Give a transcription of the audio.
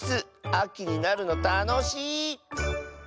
あきになるのたのしい。